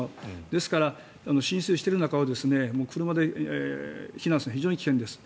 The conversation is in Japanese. ですから、浸水している中を車で避難するのは非常に危険です。